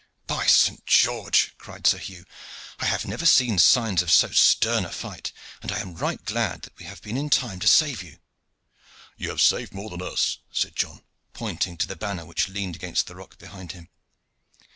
"By Saint George!" cried Sir Hugh, "I have never seen signs of so stern a fight, and I am right glad that we have been in time to save you." "You have saved more than us," said John, pointing to the banner which leaned against the rock behind him.